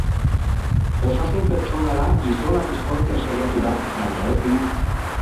Osasun-pertsonala gizona bizkortzen saiatu da baina ezin.